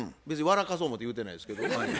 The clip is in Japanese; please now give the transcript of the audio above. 別に笑かそ思うて言うてないですけど。